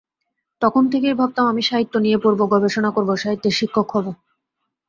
তখন থেকেই ভাবতাম, আমি সাহিত্য নিয়ে পড়ব, গবেষণা করব, সাহিত্যের শিক্ষক হব।